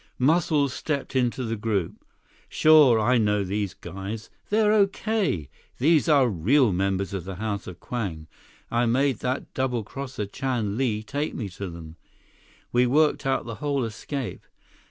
176 Muscles stepped into the group. "Sure, I know these guys. They're okay. These are real members of the House of Kwang. I made that double crosser Chan Li take me to them. We worked out the whole escape.